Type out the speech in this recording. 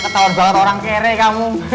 ketawa ketawa orang kere kamu